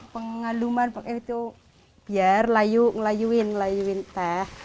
pengaluman pakai itu biar layu ngelayuin ngelayuin teh